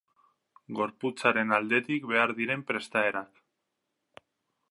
Gorputzaren aldetik behar diren prestaerak.